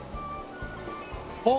あっ！